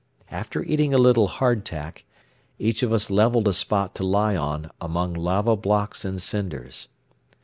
After eating a little hardtack, each of us leveled a spot to lie on among lava blocks and cinders.